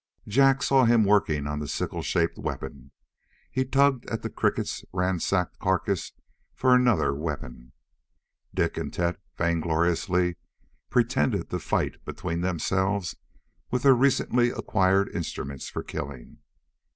Jak saw him working on the sickle shaped weapon. He tugged at the cricket's ransacked carcass for another weapon. Dik and Tet vaingloriously pretended to fight between themselves with their recently acquired instruments for killing.